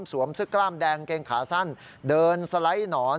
สวมซึกกล้ามแดงเกงขาสั้นเดินสะไล่หนอน